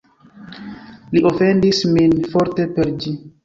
Li ofendis min forte per ĝi.